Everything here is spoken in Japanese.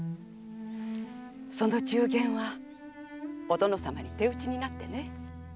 その中間はお殿様に手討ちになってね。